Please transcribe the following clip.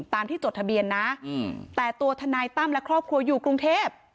ตามที่จดทะเบียนนะแต่ตัวทนายตั้มและครอบครัวอยู่กรุงเทพ